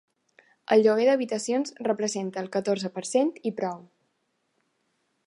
El lloguer d’habitacions representa el catorze per cent i prou.